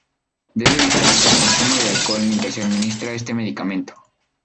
Debe evitarse el consumo de alcohol mientras se administra este medicamento.